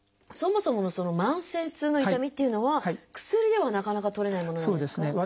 そもそものその慢性痛の痛みっていうのは薬ではなかなか取れないものなんですか？